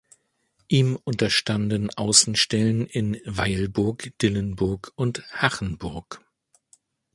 Ihm unterstanden Außenstellen in Weilburg, Dillenburg und Hachenburg.